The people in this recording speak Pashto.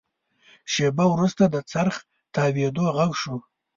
شېبه وروسته د څرخ د تاوېدو غږ شو.